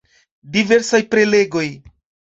Diversaj prelegoj.